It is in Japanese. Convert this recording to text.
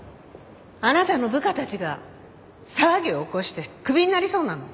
あなたの部下たちが騒ぎを起こしてクビになりそうなの。